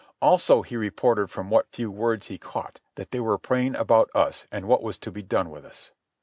Also he reported from what few words he caught that they were praying about us and what was to be done with us.